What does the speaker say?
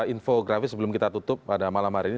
infografis sebelum kita tutup pada malam hari ini